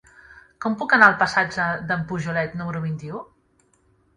Com puc anar al passatge d'en Pujolet número vint-i-u?